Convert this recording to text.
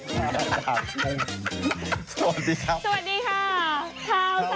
สวัสดีครับ